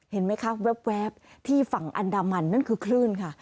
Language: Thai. เห็นไหมคะแว๊บที่ฝั่งอันดามันนั่นคือคลื่นค่ะ